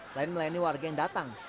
selain melayani warga yang datang